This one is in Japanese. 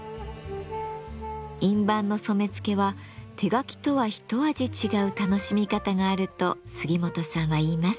印判の染付は手描きとは一味違う楽しみ方があると杉本さんは言います。